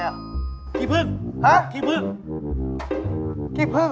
คิเภิ่งคิเภิ่งคิเภิ่งฮะคิเภิ่ง